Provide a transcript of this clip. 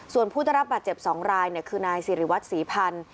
ส่วนผู้ได้รับบาดเจ็บ๒รายคือนายสิริวัตรศรีพันธ์